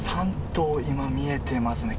３頭、今、見えていますね。